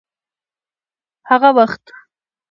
هغه وخت